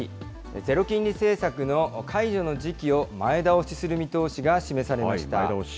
ゼロ金利政策の解除の時期を前倒しする見通しが示されました。